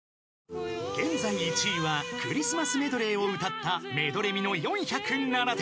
［現在１位はクリスマスメドレーを歌っためどれみの４０７点］